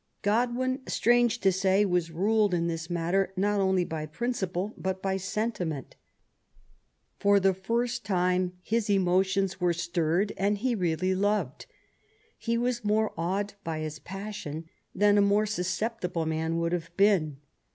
Godwin, strange to say, was ruled in this matter not only by principle, but by sentiment. For the first time 186 MARY WoLLSTOXECEAFT GODWIN. his emotions were stirred, and he really loved. He was more awed by his passion than a more snaoeptiUe man would have been.